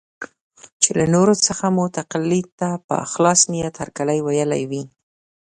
چې له نورو څخه مو تقلید ته په خلاص نیت هرکلی ویلی وي.